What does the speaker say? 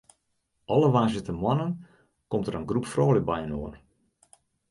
Alle woansdeitemoarnen komt dêr in groep froulju byinoar.